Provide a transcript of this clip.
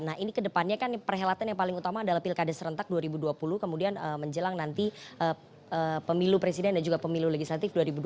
nah ini kedepannya kan perhelatan yang paling utama adalah pilkada serentak dua ribu dua puluh kemudian menjelang nanti pemilu presiden dan juga pemilu legislatif dua ribu dua puluh